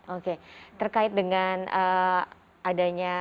oke terkait dengan adanya larangan kemudian juga kita lihat di jalan masih banyak yang